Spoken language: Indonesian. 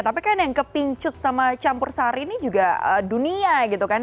tapi kan yang kepincut sama campur sari ini juga dunia gitu kan